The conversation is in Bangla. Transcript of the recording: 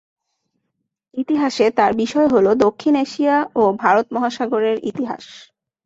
ইতিহাসে তার বিষয় হল দক্ষিণ এশিয়া ও ভারত মহাসাগরের ইতিহাস।